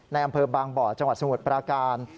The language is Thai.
อำเภอบางบ่อจังหวัดสมุทรปราการ